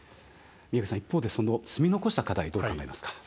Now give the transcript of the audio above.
宮家さん、一方で積み残した課題、どう考えますか。